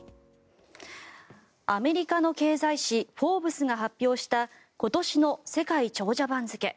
アメリカの経済誌「フォーブス」が発表した今年の世界長者番付。